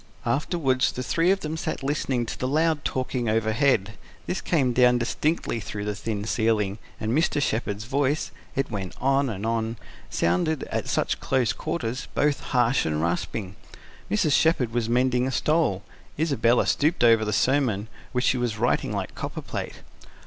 Afterwards the three of them sat listening to the loud talking overhead. This came down distinctly through the thin ceiling, and Mr. Shepherd's voice it went on and on sounded, at such close quarters, both harsh and rasping. Mrs. Shepherd was mending a stole; Isabella stooped over the sermon, which she was writing like copperplate.